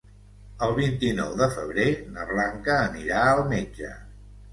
El vint-i-nou de febrer na Blanca anirà al metge.